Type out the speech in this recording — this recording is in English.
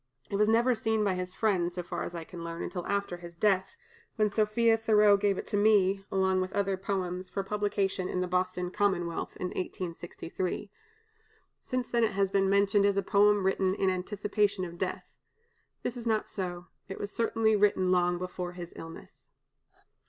It was never seen by his friends, so far as I can learn, until after his death, when Sophia Thoreau gave it to me, along with other poems, for publication in the "Boston Commonwealth," in 1863. Since then it has been mentioned as a poem written in anticipation of death. This is not so; it was certainly written long before his illness.